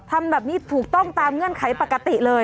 ทำแบบนี้ถูกต้องตามเงื่อนไขปกติเลย